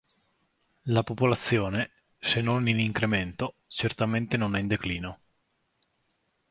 La popolazione, se non in incremento, certamente non è in declino.